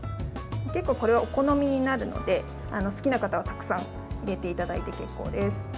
結構、これはお好みになるので好きな方はたくさん入れていただいて結構です。